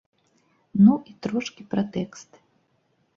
Ну, і трошкі пра тэксты.